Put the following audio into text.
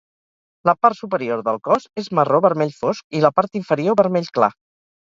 La part superior del cos és marró vermell fosc i la part inferior vermell clar.